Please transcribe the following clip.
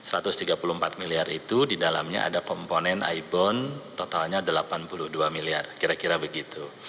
rp satu ratus tiga puluh empat miliar itu di dalamnya ada komponen aibon totalnya delapan puluh dua miliar kira kira begitu